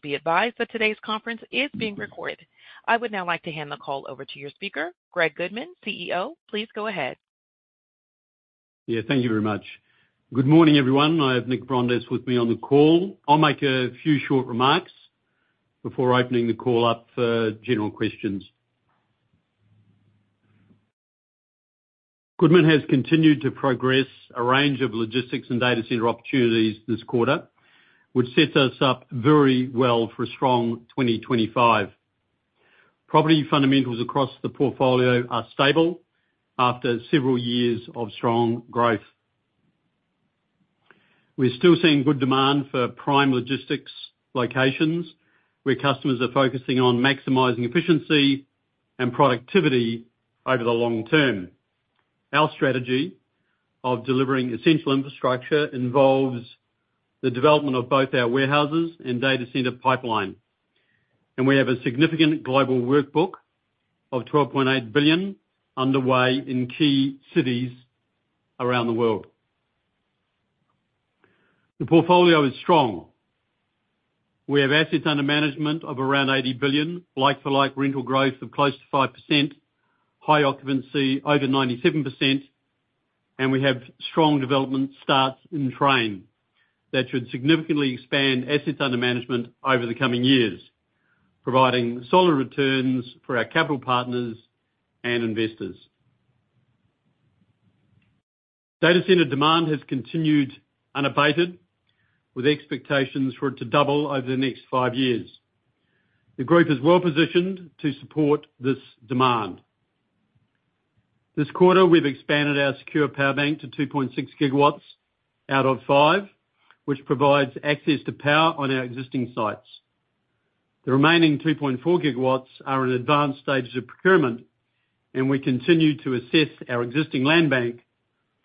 Please be advised that today's conference is being recorded. I would now like to hand the call over to your speaker, Greg Goodman, CEO. Please go ahead. Yeah, thank you very much. Good morning, everyone. I have Nick Vrondas with me on the call. I'll make a few short remarks before opening the call up for general questions. Goodman has continued to progress a range of logistics and data center opportunities this quarter, which sets us up very well for a strong 2025. Property fundamentals across the portfolio are stable after several years of strong growth. We're still seeing good demand for prime logistics locations where customers are focusing on maximizing efficiency and productivity over the long term. Our strategy of delivering essential infrastructure involves the development of both our warehouses and data center pipeline, and we have a significant global workbook of 12.8 billion underway in key cities around the world. The portfolio is strong. We have assets under management of around 80 billion, like-for-like rental growth of close to 5%, high occupancy over 97%, and we have strong development starts in train that should significantly expand assets under management over the coming years, providing solid returns for our capital partners and investors. Data center demand has continued unabated, with expectations for it to double over the next five years. The group is well positioned to support this demand. This quarter, we've expanded our secure power bank to 2.6 GW out of five, which provides access to power on our existing sites. The remaining 2.4 GW are in advanced stages of procurement, and we continue to assess our existing land bank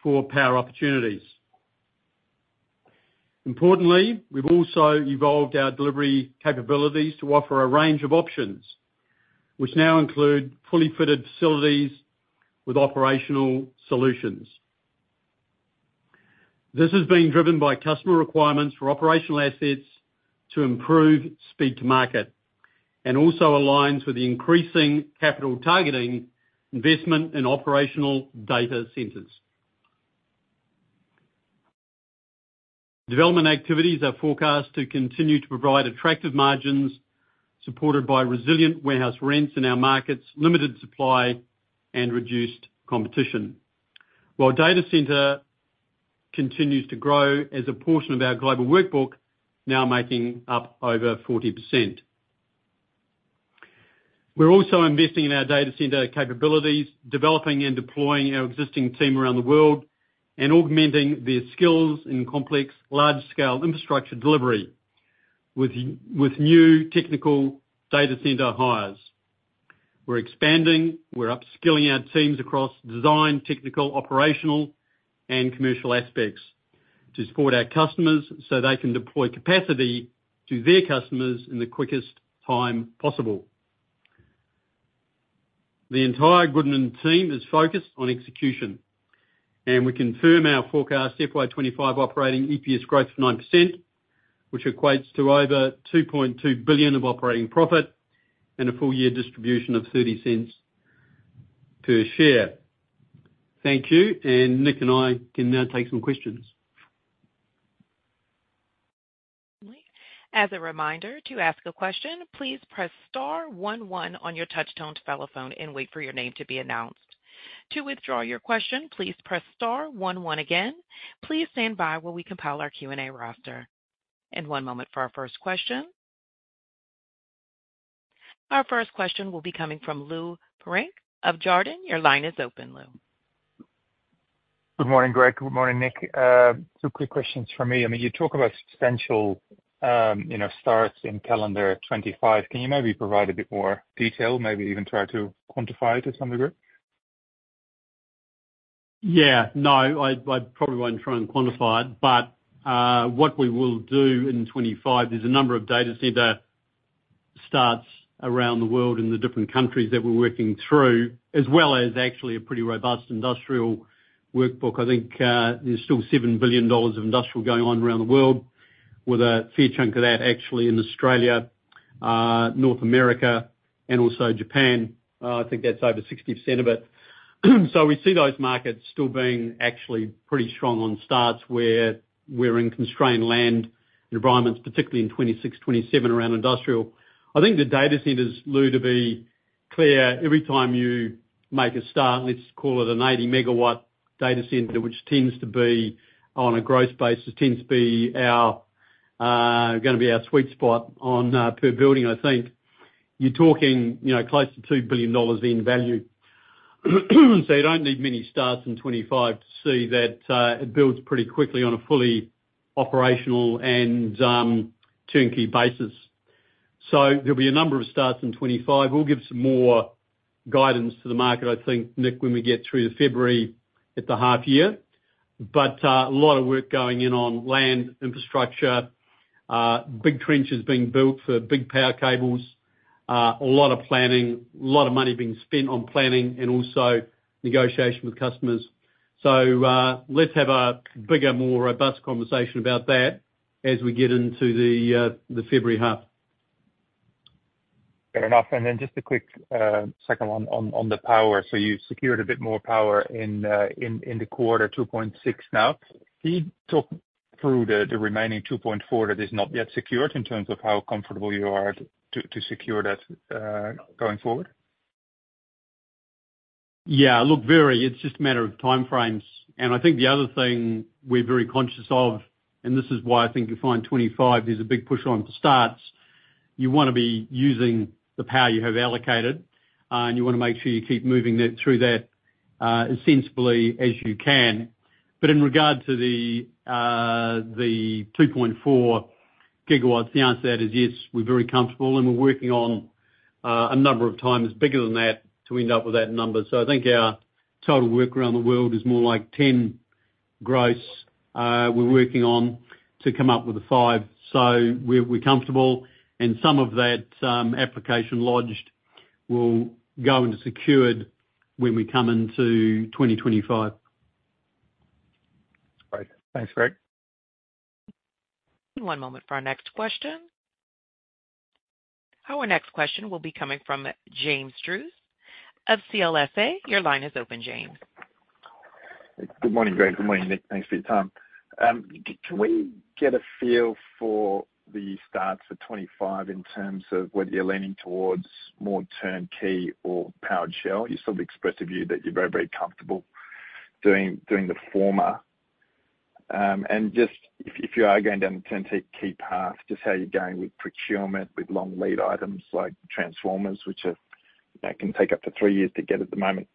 for power opportunities. Importantly, we've also evolved our delivery capabilities to offer a range of options, which now include fully fitted facilities with operational solutions. This has been driven by customer requirements for operational assets to improve speed to market and also aligns with the increasing capital targeting investment in operational data centers. Development activities are forecast to continue to provide attractive margins supported by resilient warehouse rents in our markets, limited supply, and reduced competition, while data center continues to grow as a portion of our global workbook, now making up over 40%. We're also investing in our data center capabilities, developing and deploying our existing team around the world, and augmenting their skills in complex large-scale infrastructure delivery with new technical data center hires. We're expanding. We're upskilling our teams across design, technical, operational, and commercial aspects to support our customers so they can deploy capacity to their customers in the quickest time possible. The entire Goodman team is focused on execution, and we confirm our forecast FY2025 operating EPS growth of 9%, which equates to over $2.2 billion of operating profit and a full-year distribution of $0.30 per share. Thank you, and Nick and I can now take some questions. As a reminder, to ask a question, please press star one one on your touchtone telephone and wait for your name to be announced. To withdraw your question, please press star one one again. Please stand by while we compile our Q&A roster, and one moment for our first question. Our first question will be coming from Lou Pirenc of Jarden. Your line is open, Lou. Good morning, Greg. Good morning, Nick. Two quick questions for me. I mean, you talk about substantial starts in calendar 2025. Can you maybe provide a bit more detail, maybe even try to quantify it to some degree? Yeah. No, I probably won't try and quantify it, but what we will do in 2025, there's a number of data center starts around the world in the different countries that we're working through, as well as actually a pretty robust industrial workbook. I think there's still 7 billion dollars of industrial going on around the world, with a fair chunk of that actually in Australia, North America, and also Japan. I think that's over 60% of it. So we see those markets still being actually pretty strong on starts where we're in constrained land environments, particularly in 2026, 2027 around industrial. I think the data centers, Lou, to be clear, every time you make a start, let's call it an 80-MW data center, which tends to be on a growth basis, tends to be going to be our sweet spot per building, I think. You're talking close to 2 billion dollars in value. So you don't need many starts in 2025 to see that it builds pretty quickly on a fully operational and turnkey basis. So there'll be a number of starts in 2025. We'll give some more guidance to the market, I think, Nick, when we get through to February at the half year. But a lot of work going in on land infrastructure. Big trenches being built for big power cables, a lot of planning, a lot of money being spent on planning, and also negotiation with customers. So let's have a bigger, more robust conversation about that as we get into the February half. Fair enough. And then just a quick second one on the power. So you've secured a bit more power in the quarter, 2.6 now. Can you talk through the remaining 2.4 that is not yet secured in terms of how comfortable you are to secure that going forward? Yeah. Look, very— it's just a matter of time frames. And I think the other thing we're very conscious of, and this is why I think you find 2025, there's a big push on starts. You want to be using the power you have allocated, and you want to make sure you keep moving through that sensibly as you can. But in regard to the 2.4 GW, the answer to that is yes, we're very comfortable, and we're working on a number of times bigger than that to end up with that number. So I think our total work around the world is more like 10 gross we're working on to come up with a 5. So we're comfortable, and some of that application lodged will go into secured when we come into 2025. Great. Thanks, Greg. One moment for our next question. Our next question will be coming from James Druce of CLSA. Your line is open, James. Good morning, Greg. Good morning, Nick. Thanks for your time. Can we get a feel for the starts for 2025 in terms of whether you're leaning towards more turnkey or powered shell? You sort of expressed a view that you're very, very comfortable doing the former, and just if you are going down the turnkey path, just how you're going with procurement with long lead items like transformers, which can take up to three years to get at the moment.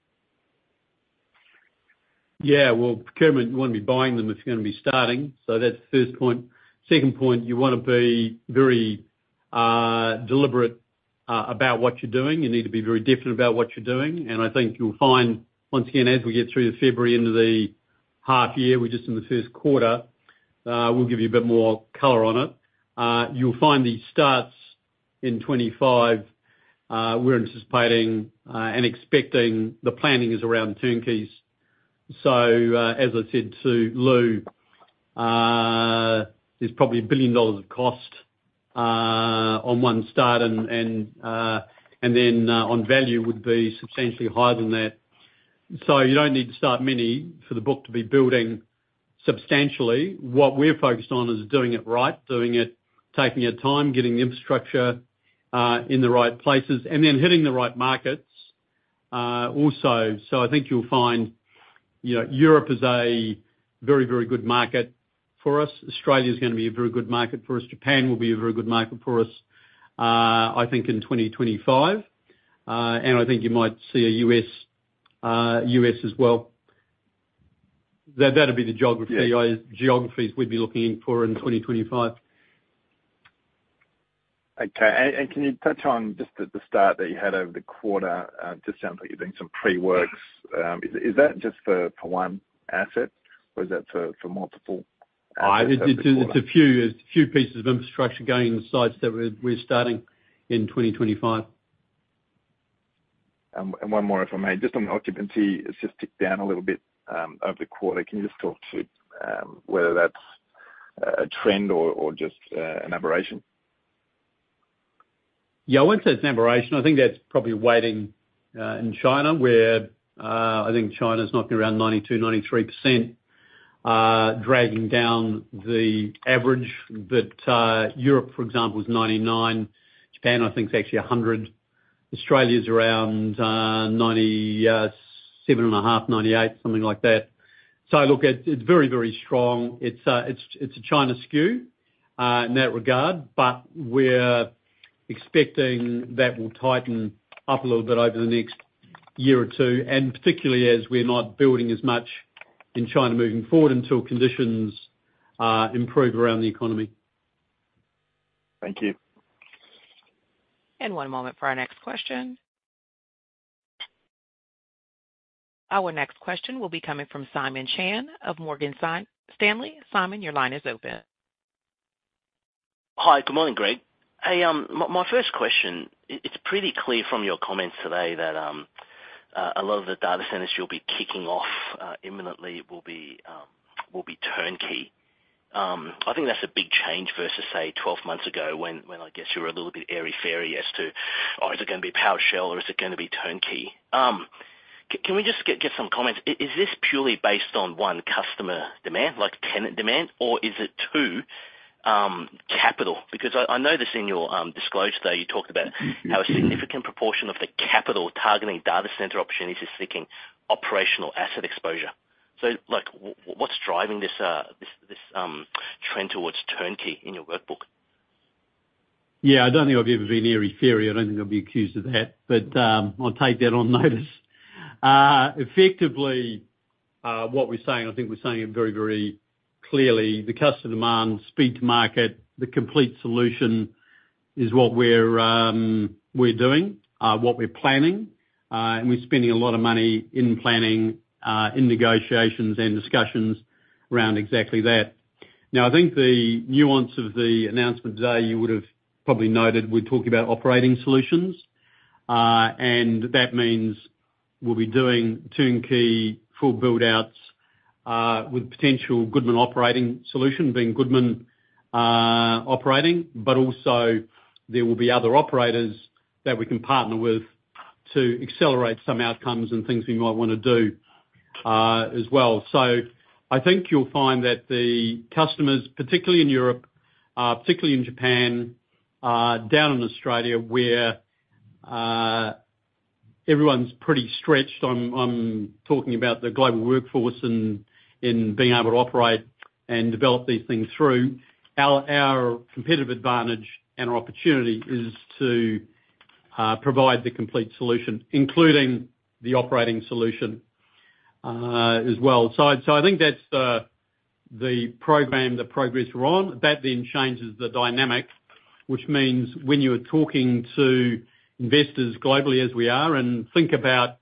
Yeah. Well, procurement, you want to be buying them if you're going to be starting. So that's the first point. Second point, you want to be very deliberate about what you're doing. You need to be very different about what you're doing. And I think you'll find, once again, as we get through the February into the half year, we're just in the first quarter, we'll give you a bit more color on it. You'll find these starts in 2025, we're anticipating and expecting the planning is around turnkeys. So as I said to Lou, there's probably 1 billion dollars of cost on one start, and then on value would be substantially higher than that. So you don't need to start many for the book to be building substantially. What we're focused on is doing it right, doing it, taking your time, getting the infrastructure in the right places, and then hitting the right markets also. So I think you'll find Europe is a very, very good market for us. Australia is going to be a very good market for us. Japan will be a very good market for us, I think, in 2025. And I think you might see a U.S. as well. That'll be the geographies we'd be looking for in 2025. Okay. And can you touch on just at the start that you had over the quarter, it just sounds like you're doing some pre-works. Is that just for one asset, or is that for multiple assets? It's a few pieces of infrastructure going in the sites that we're starting in 2025. And one more, if I may, just on the occupancy, it's just ticked down a little bit over the quarter. Can you just talk to whether that's a trend or just an aberration? Yeah. I won't say it's an aberration. I think that's probably waiting in China, where I think China's knocking around 92%, 93%, dragging down the average. But Europe, for example, is 99%. Japan, I think, is actually 100%. Australia's around 97.5%, 98%, something like that. So look, it's very, very strong. It's a China [SKU] in that regard, but we're expecting that will tighten up a little bit over the next year or two, and particularly as we're not building as much in China moving forward until conditions improve around the economy. Thank you. And one moment for our next question. Our next question will be coming from Simon Chan of Morgan Stanley. Simon, your line is open. Hi. Good morning, Greg. Hey, my first question, it's pretty clear from your comments today that a lot of the data centers you'll be kicking off imminently will be turnkey. I think that's a big change versus, say, 12 months ago when I guess you were a little bit airy-fairy as to, "Oh, is it going to be powered shell or is it going to be turnkey?" Can we just get some comments? Is this purely based on, one, customer demand, like tenant demand, or is it, two, capital? Because I noticed in your disclosure there, you talked about how a significant proportion of the capital targeting data center opportunities is seeking operational asset exposure. So what's driving this trend towards turnkey in your workbook? Yeah. I don't think I've ever been airy-fairy. I don't think I'll be accused of that, but I'll take that on notice. Effectively, what we're saying, I think we're saying it very, very clearly. The customer demand, speed to market, the complete solution is what we're doing, what we're planning, and we're spending a lot of money in planning, in negotiations and discussions around exactly that. Now, I think the nuance of the announcement today, you would have probably noted, we're talking about operating solutions, and that means we'll be doing turnkey full build-outs with potential Goodman operating solution being Goodman operating, but also there will be other operators that we can partner with to accelerate some outcomes and things we might want to do as well. So I think you'll find that the customers, particularly in Europe, particularly in Japan, down in Australia, where everyone's pretty stretched, I'm talking about the global workforce and being able to operate and develop these things through our competitive advantage and our opportunity is to provide the complete solution, including the operating solution as well. So I think that's the program, the progress we're on. That then changes the dynamic, which means when you're talking to investors globally as we are and think about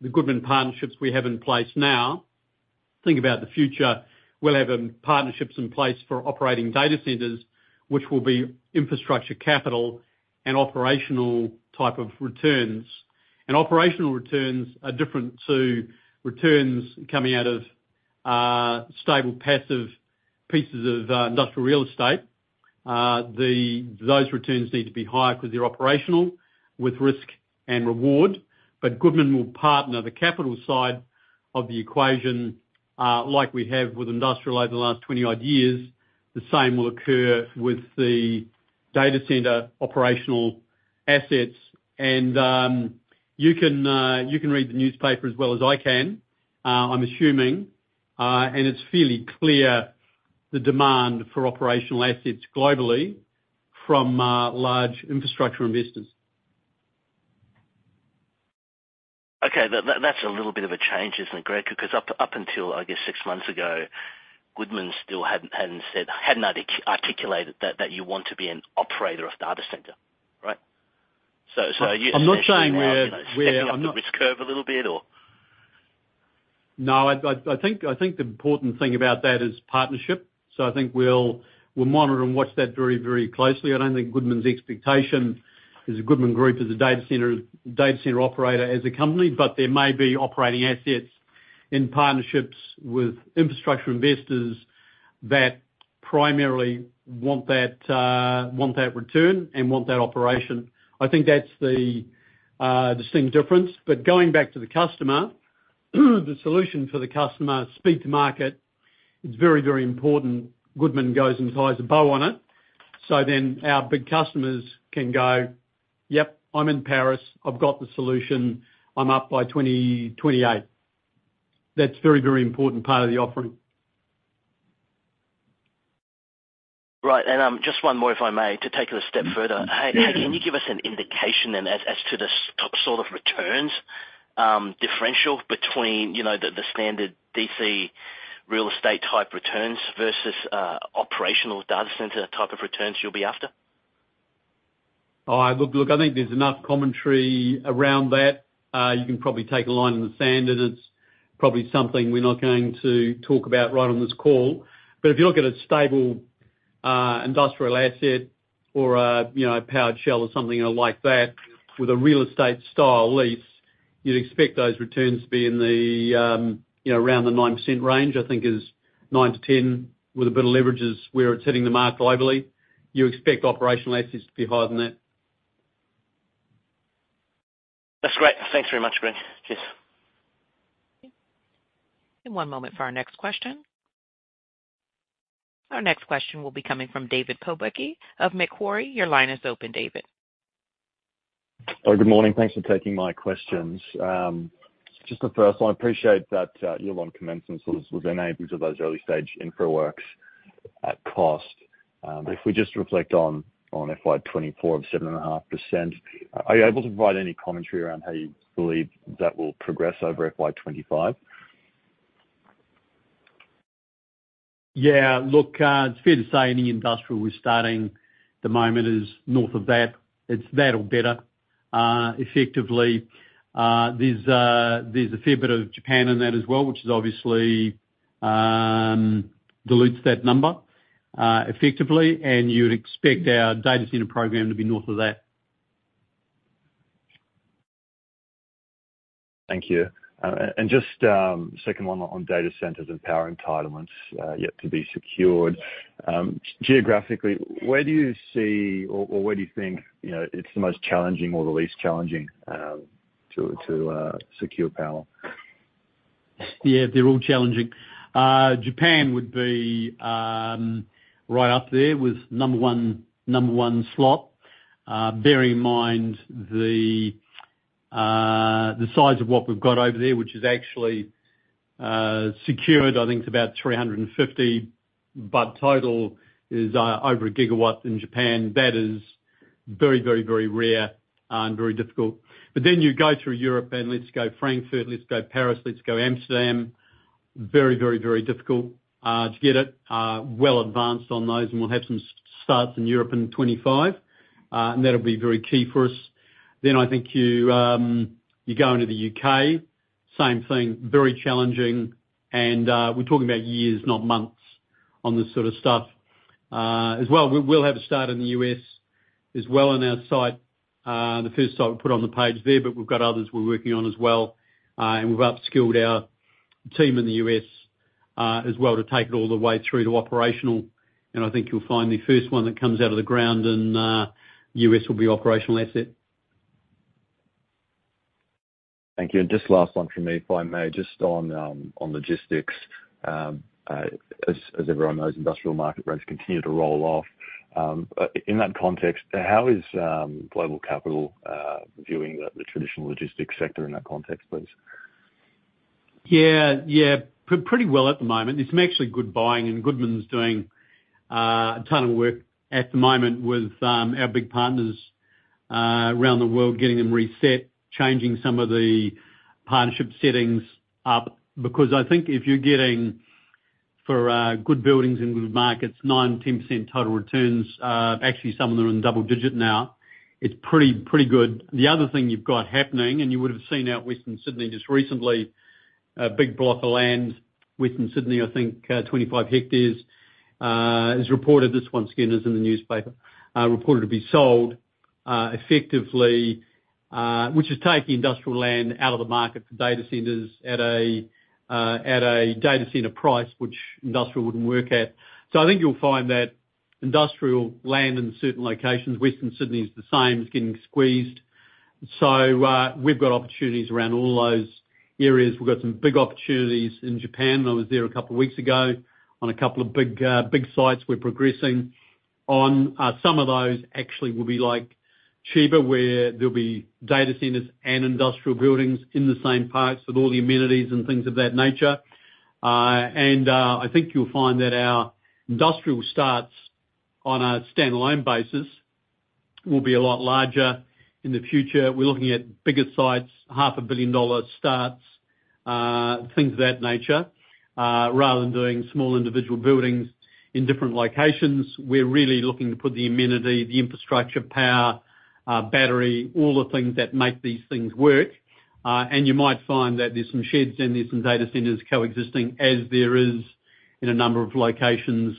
the Goodman partnerships we have in place now, think about the future. We'll have partnerships in place for operating data centers, which will be infrastructure capital and operational type of returns. And operational returns are different to returns coming out of stable passive pieces of industrial real estate. Those returns need to be higher because they're operational with risk and reward, but Goodman will partner the capital side of the equation like we have with industrial over the last 20-odd years. The same will occur with the data center operational assets, and you can read the newspaper as well as I can, I'm assuming, and it's fairly clear the demand for operational assets globally from large infrastructure investors. Okay. That's a little bit of a change, isn't it, Greg? Because up until, I guess, six months ago, Goodman still hadn't articulated that you want to be an operator of data center, right? So you're saying that you're going to risk curve a little bit, or? No. I think the important thing about that is partnership. So I think we'll monitor and watch that very, very closely. I don't think Goodman's expectation is a Goodman Group as a data center operator as a company, but there may be operating assets in partnerships with infrastructure investors that primarily want that return and want that operation. I think that's the distinct difference. But going back to the customer, the solution for the customer, speed to market, it's very, very important. Goodman goes and ties a bow on it. So then our big customers can go, "Yep, I'm in Paris. I've got the solution. I'm up by 2028." That's a very, very important part of the offering. Right. And just one more, if I may, to take it a step further. Hey, can you give us an indication then as to the sort of returns differential between the standard DC real estate type returns versus operational data center type of returns you'll be after? Look, I think there's enough commentary around that. You can probably take a line in the sand. It's probably something we're not going to talk about right on this call. But if you look at a stable industrial asset or a powered shell or something like that with a real estate style lease, you'd expect those returns to be in the around 9% range, I think, is 9%-10% with a bit of leverages where it's hitting the mark globally. You expect operational assets to be higher than that. That's great. Thanks very much, Greg. Cheers. One moment for our next question. Our next question will be coming from David Pobucky of Macquarie. Your line is open, David. Good morning. Thanks for taking my questions. Just the first, I appreciate that your [strong] commencement was enabled by those early stage infra works at cost. If we just reflect on FY2024 of 7.5%, are you able to provide any commentary around how you believe that will progress over FY2025? Yeah. Look, it's fair to say any industrial we're starting at the moment is north of that. It's that or better. Effectively, there's a fair bit of Japan in that as well, which obviously dilutes that number effectively, and you'd expect our data center program to be north of that. Thank you. And just a second one on data centers and power entitlements yet to be secured. Geographically, where do you see or where do you think it's the most challenging or the least challenging to secure power? Yeah. They're all challenging. Japan would be right up there with number one slot, bearing in mind the size of what we've got over there, which is actually secured. I think it's about 350, but total is over a gigawatt in Japan. That is very, very, very rare and very difficult. But then you go through Europe, and let's go Frankfurt, let's go Paris, let's go Amsterdam. Very, very, very difficult to get it. Well advanced on those, and we'll have some starts in Europe in 2025, and that'll be very key for us. Then I think you go into the U.K., same thing, very challenging, and we're talking about years, not months, on this sort of stuff as well. We'll have a start in the U.S. as well on our site, the first site we put on the page there, but we've got others we're working on as well, and we've upskilled our team in the U.S. as well to take it all the way through to operational, and I think you'll find the first one that comes out of the ground in the U.S. will be operational asset. Thank you. And just last one for me, if I may, just on logistics. As everyone knows, industrial market rates continue to roll off. In that context, how is global capital viewing the traditional logistics sector in that context, please? Yeah. Yeah. Pretty well at the moment. It's actually good buying, and Goodman's doing a ton of work at the moment with our big partners around the world, getting them reset, changing some of the partnership settings up. Because I think if you're getting for good buildings in good markets, 9%, 10% total returns, actually some of them are in double digit now, it's pretty good. The other thing you've got happening, and you would have seen out in Western Sydney just recently, a big block of land, Western Sydney, I think 25 hectares, is reported, this once again is in the newspaper, reported to be sold effectively, which has taken industrial land out of the market for data centers at a data center price, which industrial wouldn't work at. So I think you'll find that industrial land in certain locations, Western Sydney is the same, is getting squeezed. We've got opportunities around all those areas. We've got some big opportunities in Japan. I was there a couple of weeks ago on a couple of big sites we're progressing on. Some of those actually will be cheaper, where there'll be data centers and industrial buildings in the same parts with all the amenities and things of that nature. And I think you'll find that our industrial starts on a standalone basis will be a lot larger in the future. We're looking at bigger sites, $500 million starts, things of that nature. Rather than doing small individual buildings in different locations, we're really looking to put the amenity, the infrastructure, power, battery, all the things that make these things work. And you might find that there's some sheds in there, some data centers coexisting, as there is in a number of locations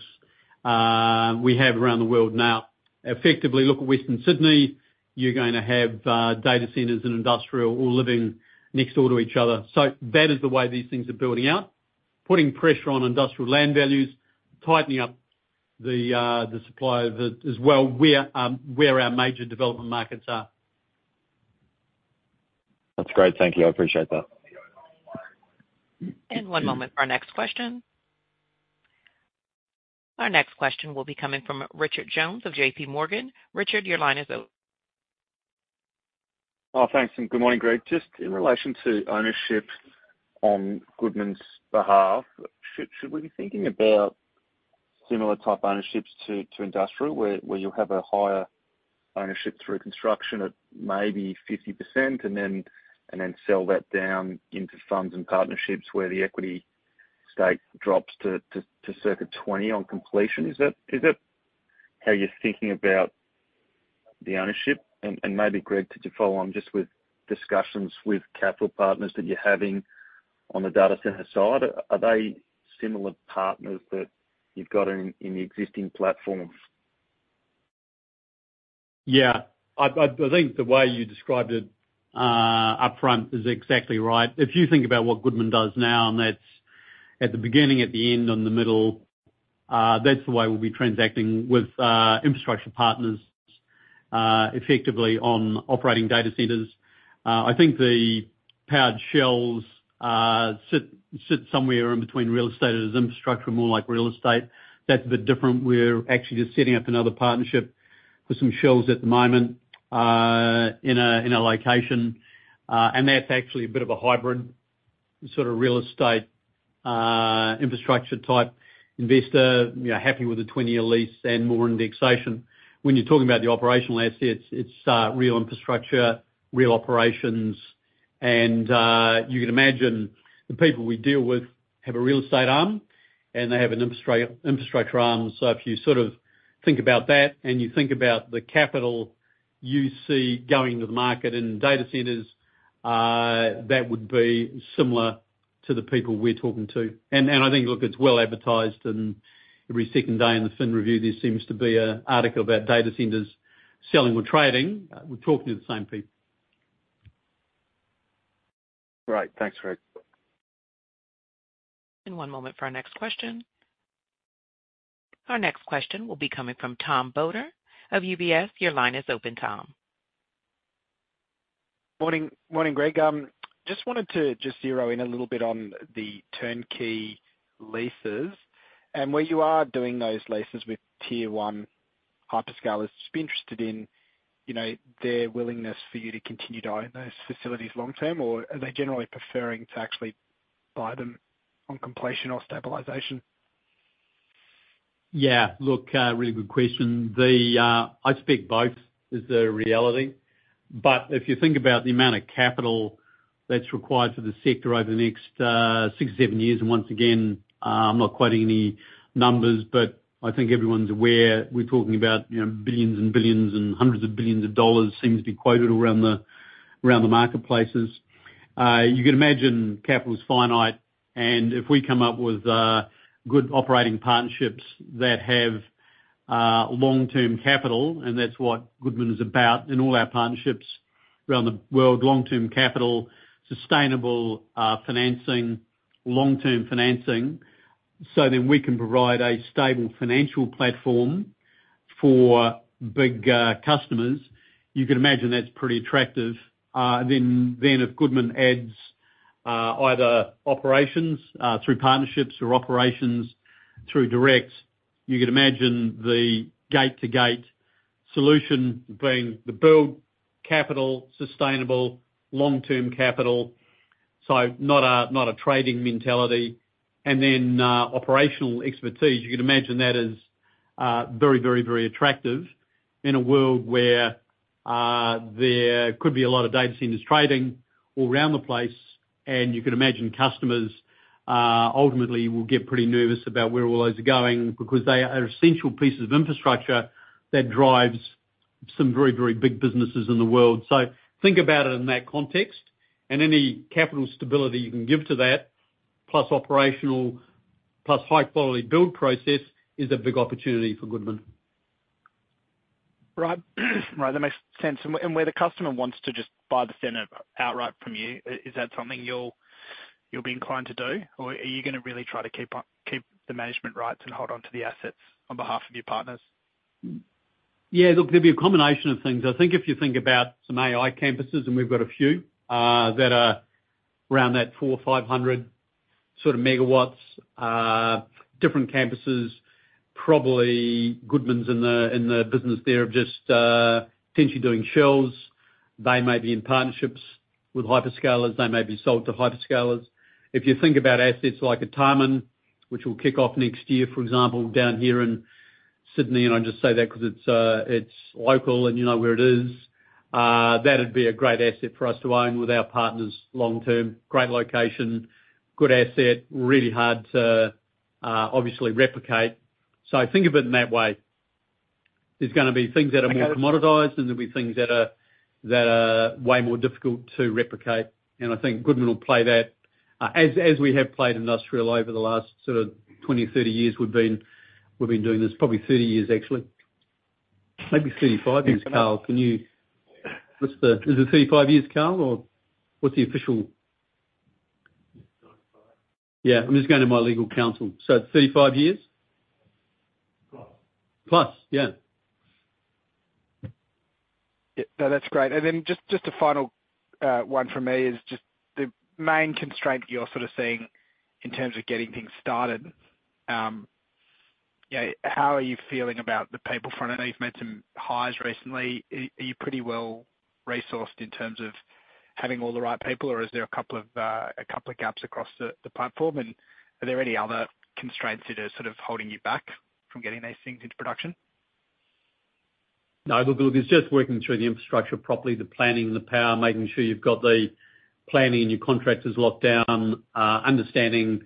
we have around the world now. Effectively, look at Western Sydney, you're going to have data centers and industrial all living next door to each other. So that is the way these things are building out, putting pressure on industrial land values, tightening up the supply of it as well, where our major development markets are. That's great. Thank you. I appreciate that. One moment for our next question. Our next question will be coming from Richard Jones of JP Morgan. Richard, your line is open. Oh, thanks. Good morning, Greg. Just in relation to ownership on Goodman's behalf, should we be thinking about similar type ownerships to industrial, where you'll have a higher ownership through construction at maybe 50% and then sell that down into funds and partnerships where the equity stake drops to circa 20% on completion? Is that how you're thinking about the ownership? And maybe, Greg, could you follow on just with discussions with capital partners that you're having on the data center side? Are they similar partners that you've got in the existing platforms? Yeah. I think the way you described it upfront is exactly right. If you think about what Goodman does now, and that's at the beginning, at the end, in the middle, that's the way we'll be transacting with infrastructure partners effectively on operating data centers. I think the powered shells sit somewhere in between real estate as infrastructure, more like real estate. That's a bit different. We're actually just setting up another partnership with some shells at the moment in a location. And that's actually a bit of a hybrid sort of real estate infrastructure type investor, happy with a 20-year lease and more indexation. When you're talking about the operational assets, it's real infrastructure, real operations. And you can imagine the people we deal with have a real estate arm, and they have an infrastructure arm. So if you sort of think about that and you think about the capital you see going into the market in data centers, that would be similar to the people we're talking to. And I think, look, it's well advertised. And every second day in the Fin Review, there seems to be an article about data centers selling or trading. We're talking to the same people. Great. Thanks, Greg. And one moment for our next question. Our next question will be coming from Tom Bodor of UBS. Your line is open, Tom. Morning, Greg. Just wanted to zero in a little bit on the turnkey leases, and where you are doing those leases with tier one hyperscalers, just be interested in their willingness for you to continue to own those facilities long term, or are they generally preferring to actually buy them on completion or stabilization? Yeah. Look, really good question. I expect both is the reality. But if you think about the amount of capital that's required for the sector over the next 6-7 years, and once again, I'm not quoting any numbers, but I think everyone's aware we're talking about billions and billions and hundreds of billions of dollars seems to be quoted around the marketplaces. You can imagine capital is finite, and if we come up with good operating partnerships that have long-term capital, and that's what Goodman is about in all our partnerships around the world, long-term capital, sustainable financing, long-term financing, so then we can provide a stable financial platform for big customers, you can imagine that's pretty attractive. Then if Goodman adds either operations through partnerships or operations through direct, you can imagine the gate-to-gate solution being the build capital, sustainable, long-term capital, so not a trading mentality. And then operational expertise, you can imagine that is very, very, very attractive in a world where there could be a lot of data centers trading all around the place, and you can imagine customers ultimately will get pretty nervous about where all those are going because they are essential pieces of infrastructure that drives some very, very big businesses in the world. So think about it in that context, and any capital stability you can give to that, plus operational, plus high-quality build process, is a big opportunity for Goodman. Right. Right. That makes sense. And where the customer wants to just buy the center outright from you, is that something you'll be inclined to do, or are you going to really try to keep the management rights and hold on to the assets on behalf of your partners? Yeah. Look, there'll be a combination of things. I think if you think about some AI campuses, and we've got a few that are around that 400, 500 sort of megawatts, different campuses, probably Goodman's in the business there of just potentially doing shells. They may be in partnerships with hyperscalers. They may be sold to hyperscalers. If you think about assets like Artarmon, which will kick off next year, for example, down here in Sydney, and I just say that because it's local and you know where it is, that'd be a great asset for us to own with our partners long term. Great location, good asset, really hard to obviously replicate. So think of it in that way. There's going to be things that are more commoditized, and there'll be things that are way more difficult to replicate. I think Goodman will play that as we have played industrial over the last sort of 20, 30 years. We've been doing this probably 30 years, actually. Maybe 35 years, Carl. Can you—what's the—is it 35 years, Carl, or what's the official? It's 35. Yeah. I'm just going to my legal counsel. So 35 years? Plus. Plus. Yeah. Yeah. No, that's great. And then just a final one for me is just the main constraint you're sort of seeing in terms of getting things started. How are you feeling about the people front? I know you've made some hires recently. Are you pretty well resourced in terms of having all the right people, or is there a couple of gaps across the platform? And are there any other constraints that are sort of holding you back from getting these things into production? No. Look, it's just working through the infrastructure properly, the planning and the power, making sure you've got the planning and your contractors locked down, understanding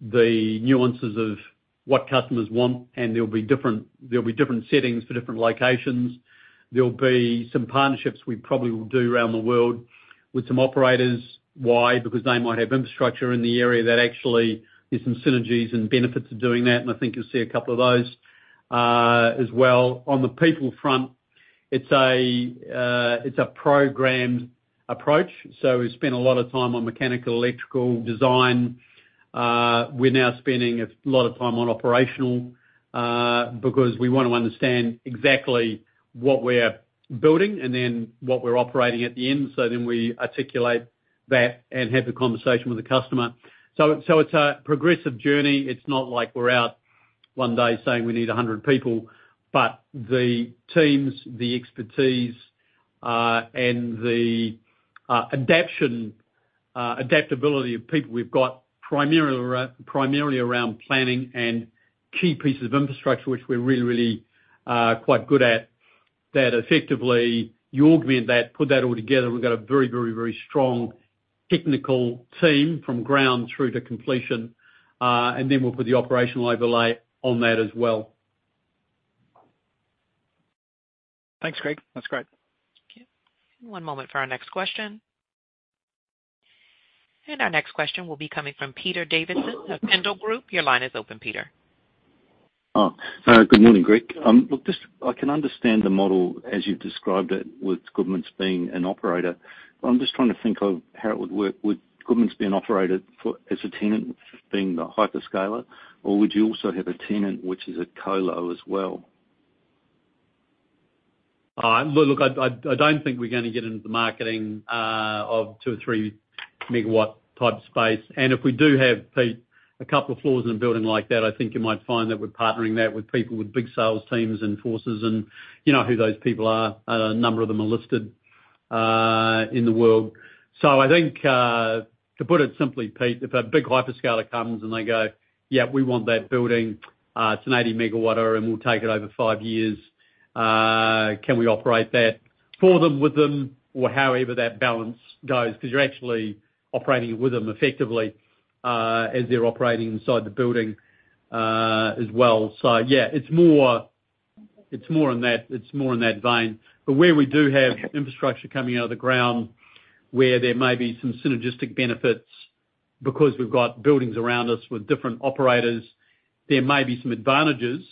the nuances of what customers want, and there'll be different settings for different locations. There'll be some partnerships we probably will do around the world with some operators. Why? Because they might have infrastructure in the area that actually there's some synergies and benefits of doing that, and I think you'll see a couple of those as well. On the people front, it's a programmed approach, so we spend a lot of time on mechanical, electrical design. We're now spending a lot of time on operational because we want to understand exactly what we're building and then what we're operating at the end, so then we articulate that and have the conversation with the customer, so it's a progressive journey. It's not like we're out one day saying we need 100 people, but the teams, the expertise, and the adaptability of people we've got primarily around planning and key pieces of infrastructure, which we're really, really quite good at, that effectively you augment that, put that all together, and we've got a very, very, very strong technical team from ground through to completion. And then we'll put the operational overlay on that as well. Thanks, Greg. That's great. Thank you. And one moment for our next question. And our next question will be coming from Peter Davidson of Pendal Group. Your line is open, Peter Oh, good morning, Greg. Look, I can understand the model as you've described it with Goodman's being an operator, but I'm just trying to think of how it would work. Would Goodman's be an operator as a tenant being the hyperscaler, or would you also have a tenant which is a co-lo as well? Look, I don't think we're going to get into the marketing of 2-MW or 3-MW type space. And if we do have a couple of floors in a building like that, I think you might find that we're partnering that with people with big sales teams and forces and who those people are. A number of them are listed in the world. So I think, to put it simply, Pete, if a big hyperscaler comes and they go, "Yeah, we want that building. It's an 80-MW, and we'll take it over five years. Can we operate that for them with them or however that balance goes?" Because you're actually operating with them effectively as they're operating inside the building as well. So yeah, it's more in that. It's more in that vein. But where we do have infrastructure coming out of the ground, where there may be some synergistic benefits because we've got buildings around us with different operators, there may be some advantages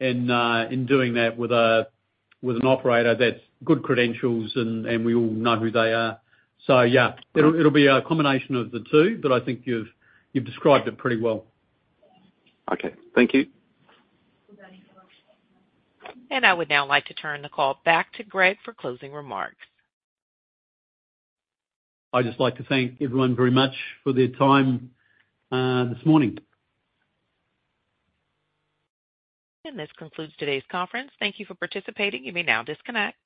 in doing that with an operator that's good credentials and we all know who they are. So yeah, it'll be a combination of the two, but I think you've described it pretty well. Okay. Thank you. I would now like to turn the call back to Greg for closing remarks. I'd just like to thank everyone very much for their time this morning. This concludes today's conference. Thank you for participating. You may now disconnect.